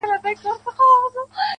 د زړگي ښار ته مي لړم د لېمو مه راوله,